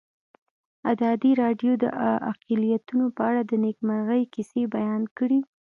ازادي راډیو د اقلیتونه په اړه د نېکمرغۍ کیسې بیان کړې.